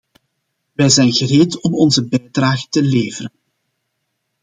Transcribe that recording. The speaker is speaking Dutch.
We zijn gereed om onze bijdrage te leveren.